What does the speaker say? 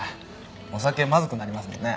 お酒まずくなりますもんね。